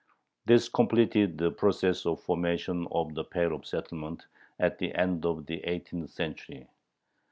This completed the process of formation of the Pale of Settlement, at the end of the eighteenth century.